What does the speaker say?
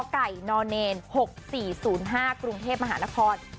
๙๙๖๔๐๕กรุงเทพมหานคร